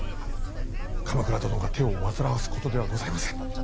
鎌倉殿が手を煩わすことではございません。